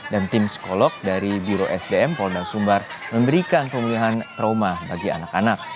dan tim sekolok dari biro sdm polna sumbar memberikan pemulihan trauma bagi anak anak